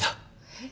えっ？